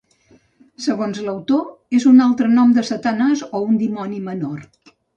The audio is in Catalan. Segons l'autor, és un altre nom de Satanàs, o un dimoni menor.